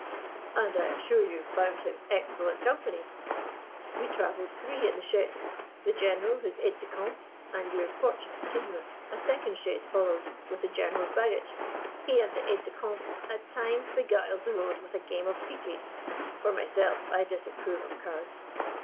" and, I assure you, found him excellent company. We travelled three in the chaise the General, his aide de camp, and your fortunate kinsman. A second chaise followed with the General's baggage. He and the aide de camp at times beguiled the road with a game of picquet: for myself, I disapprove of cards."